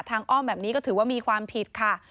อ้อมแบบนี้ก็ถือว่ามีความผิดค่ะ